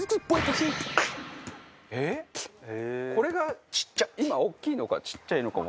これが今大きいのかちっちゃいのかも。